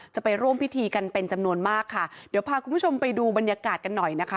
จะไปร่วมพิธีกันเป็นจำนวนมากค่ะเดี๋ยวพาคุณผู้ชมไปดูบรรยากาศกันหน่อยนะคะ